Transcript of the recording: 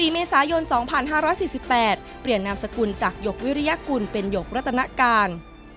๔เมษายน๒๕๔๘เปลี่ยนนามสกุลจากหยกวิริยกุลเป็นหยกรัตนการ